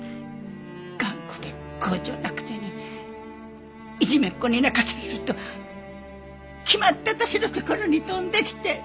頑固で強情なくせにいじめっ子に泣かされると決まって私のところに飛んできて。